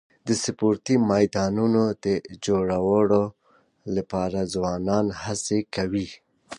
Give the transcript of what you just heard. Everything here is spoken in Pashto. د سپورټي میدانونو د جوړولو لپاره ځوانان هڅي کوي.